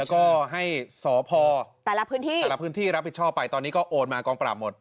แล้วก็ให้สพแต่ละพื้นที่รับผิดชอบไปตอนนี้ก็โอนมากองปราบหมด